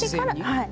はい。